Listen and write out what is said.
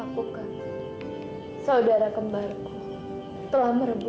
kamu tidak mau gidip aku